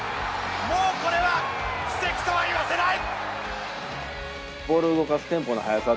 もうこれは奇跡とは言わせない！